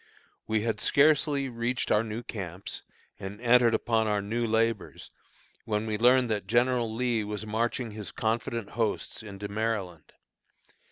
We had scarcely reached our new camps and entered upon our new labors, when we learned that General Lee was marching his confident hosts into Maryland.